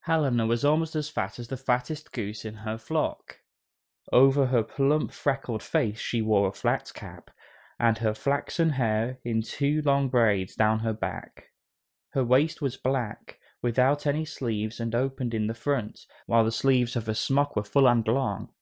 Helena was almost as fat as the fattest goose in her flock. Over her plump, freckled face she wore a flat cap, and her flaxen hair in two long braids down her back. Her waist was black, without any sleeves and opened in the front, while the sleeves of her smock were full and long.